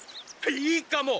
いいかも！